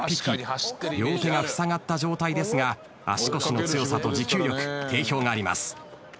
両手がふさがった状態ですが足腰の強さと持久力定評があります。